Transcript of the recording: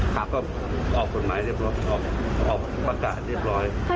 ครับก็ออกกฎหมายเรียบร้อยออกประกาศเรียบร้อย